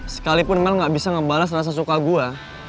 sekalipun mel gak bisa ngebalas rasa suka gue